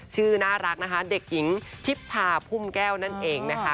ชื่อน่ารักนะคะเด็กหญิงทิพพาพุ่มแก้วนั่นเองนะคะ